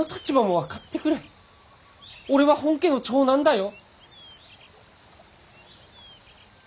俺は本家の長男だよ。